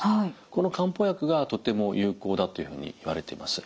この漢方薬がとても有効だというふうにいわれています。